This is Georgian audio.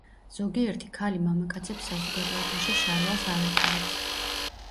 ზოგიერთი ქალი მამაკაცებს საზოგადოებაში შარვალს არ ატარებს.